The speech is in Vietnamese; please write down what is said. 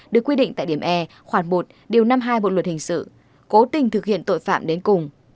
được quy định tại điểm e khoảng một điều năm mươi hai bộ luật hình sự cố tình thực hiện tội phạm đến cùng